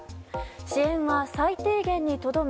支援は最低限にとどめ